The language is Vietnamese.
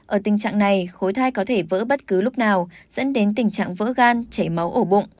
ở tình trạng này khối thai có thể vỡ bất cứ lúc nào dẫn đến tình trạng vỡ gan chảy máu ổ bụng